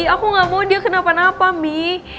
aku gak mau dia kenapa napa mi